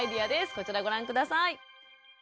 こちらご覧下さい。